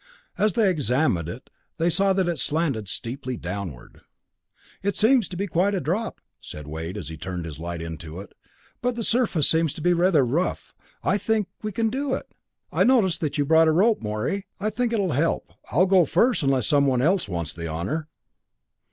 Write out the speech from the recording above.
As they examined it, they saw that it slanted steeply downward. "It seems to be quite a drop," said Wade as he turned his light into it, "but the surface seems to be rather rough. I think we can do it. I notice that you brought a rope, Morey; I think it'll help. I'll go first, unless someone else wants the honor."